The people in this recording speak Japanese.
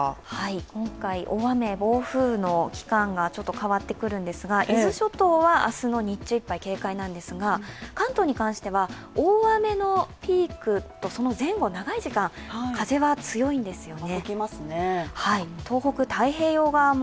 今回、大雨暴風の期間がちょっと変わってくるんですが伊豆諸島は明日の日中は警戒なんですが、関東に関しては、大雨のピークとその前後長い時間風は強いんですよね